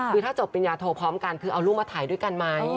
คือถ้าจบปริญญาโทพร้อมกันคือเอารูปมาถ่ายด้วยกันไหม